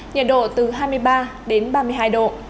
nhiệt độ từ hai mươi ba đến ba mươi hai độ